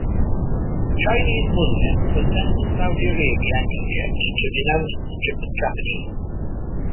Chinese Muslims were sent to Saudi Arabia and Egypt to denounce the Japanese.